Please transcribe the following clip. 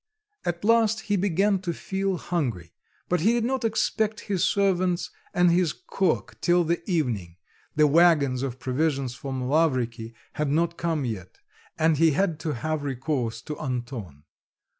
At last he began to feel hungry; but he did not expect his servants and his cook till the evening; the waggons of provisions from Lavriky had not come yet, and he had to have recourse to Anton.